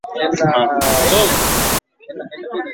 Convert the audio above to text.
wanamwingiliano wa karibu na Watutsi ni Watimba na Watimbaru